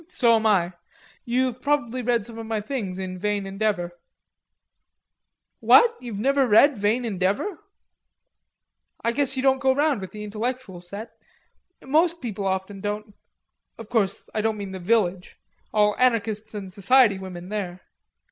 "Um hum, so am I. You're probably read some of my things in Vain Endeavor.... What, you've never read Vain Endeavor? I guess you didn't go round with the intellectual set.... Musical people often don't.... Of course I don't mean the Village. All anarchists and society women there...."